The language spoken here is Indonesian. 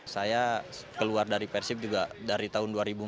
saya keluar dari persib juga dari tahun dua ribu empat belas